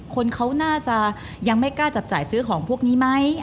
คนเขาน่าจะยังไม่กล้าจับจ่ายซื้อของพวกนี้ไหม